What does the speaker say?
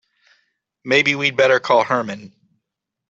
Maybe we'd better call Herman.